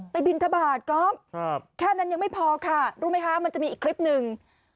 บินทบาทก๊อฟแค่นั้นยังไม่พอค่ะรู้ไหมคะมันจะมีอีกคลิปหนึ่ง